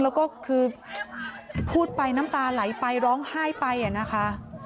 แล้วก็คือพูดไปน้ำตาไหลไปร้องไห้ไปนะคะ